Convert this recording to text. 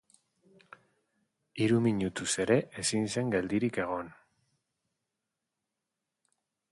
Hiru minutuz ere ezin zen geldirik egon.